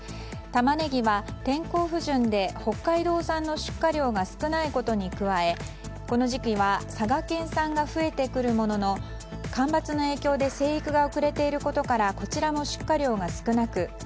タマネギは天候不順で北海道産の出荷量が少ないことに加え、この時期は佐賀県産が増えてくるものの干ばつの影響で生育が遅れていることからこちらも出荷量が少なく